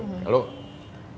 lalu ada seseorang mengingatkan